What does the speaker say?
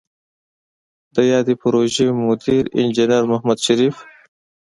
د یادې پروژې مدیر انجنیر محمد شریف